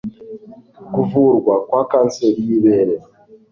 kuvurwa kwa kanseri y'ibere